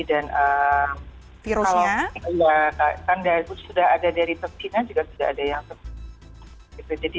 dan kalau tanda itu sudah ada dari vaksinnya juga tidak ada yang terkendali